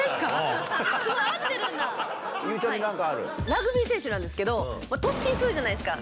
ラグビー選手なんですけど突進するじゃないですか